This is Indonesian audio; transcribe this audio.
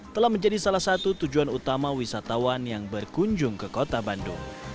telah menjadi salah satu tujuan utama wisatawan yang berkunjung ke kota bandung